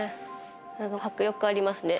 迫力ありますね。